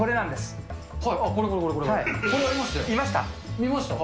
見ました。